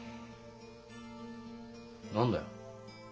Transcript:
何だよ？